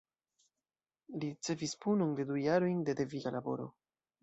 Li ricevis punon de du jarojn de deviga laboro.